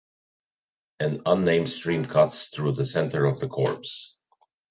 An unnamed stream cuts through the center of the copse.